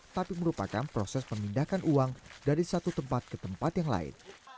tapi merupakan proses memindahkan uang dari satu tempat ke tempat yang lain